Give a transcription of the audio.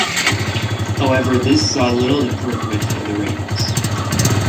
However, this saw little improvement in the ratings.